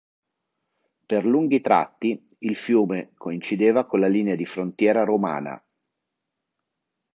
Per lunghi tratti, il fiume coincideva con la linea di frontiera romana.